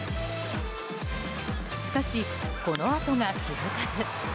しかし、このあとが続かず。